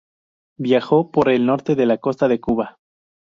Viajó por el norte de la costa de Cuba.